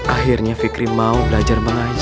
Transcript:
akhirnya fikri mau belajar mengajar